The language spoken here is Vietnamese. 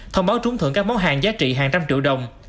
thông báo trúng thưởng các món hàng giá trị hàng trăm triệu đồng